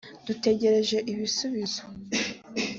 dutegereje ibisubizo